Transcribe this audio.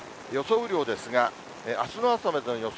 雨量ですが、あすの朝までの予想